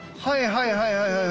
はいはいはいはい。